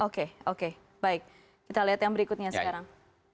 oke oke baik kita lihat yang berikutnya sekarang